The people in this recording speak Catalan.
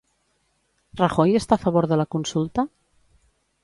Rajoy està a favor de la consulta?